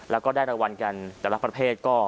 แล้วก็ได้รางวัลกันแต่ละประเภทก็